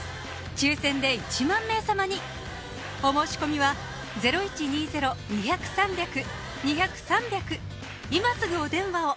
抽選で１万名様にお申し込みは今すぐお電話を！